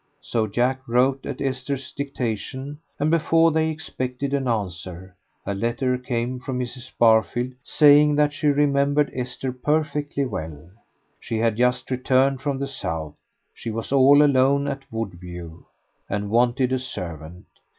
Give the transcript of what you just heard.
So Jack wrote at Esther's dictation, and before they expected an answer, a letter came from Mrs. Barfield saying that she remembered Esther perfectly well. She had just returned from the South. She was all alone at Woodview, and wanted a servant.